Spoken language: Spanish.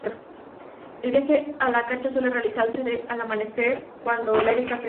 El viaje a la charca suele realizarse al amanecer cuando el aire está fresco.